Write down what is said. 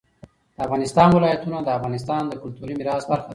د افغانستان ولايتونه د افغانستان د کلتوري میراث برخه ده.